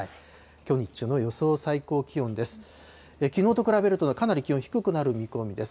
きょう日中の予想最高気温です。